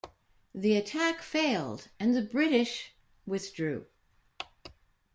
The attack failed and the British withdrew.